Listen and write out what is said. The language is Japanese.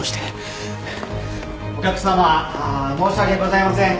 お客様申し訳ございません。